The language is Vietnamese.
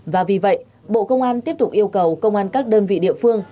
và vì vậy bộ công an tiếp tục yêu cầu công an các đơn vị địa phương